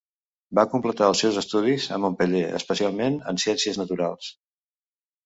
Va completar els seus estudis a Montpeller, especialment en ciències naturals.